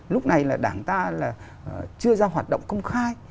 lúc này là đảng ta là chưa ra hoạt động công khai